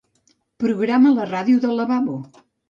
Programa la ràdio del lavabo.